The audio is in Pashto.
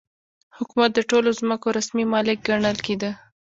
حکومت د ټولو ځمکو رسمي مالک ګڼل کېده.